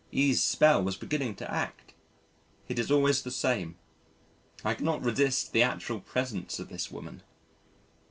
E.'s spell was beginning to act. It is always the same. I cannot resist the actual presence of this woman.